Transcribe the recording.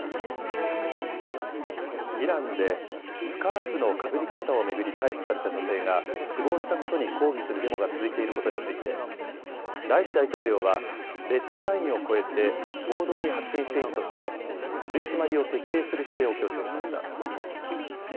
イランでスカーフのかぶり方を巡り逮捕された女性が死亡したことに抗議するデモが続いていることについてライシ大統領はレッドラインを越えて暴動に発展しているとして取締りを徹底する姿勢を強調しました。